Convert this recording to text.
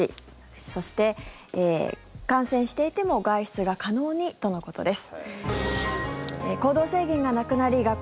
そして、感染していても外出が可能にとのことです。